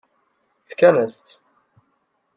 Fkan-as-tt.